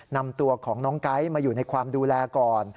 นำตัวของน้องไก๊มาอยู่ในความดูแลก่อน